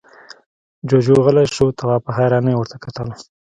جُوجُو غلی شو، تواب په حيرانۍ ورته کتل…